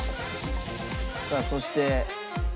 さあそして。